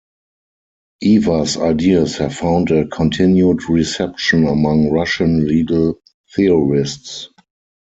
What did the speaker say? Evers' ideas have found a continued reception among Russian legal theorists.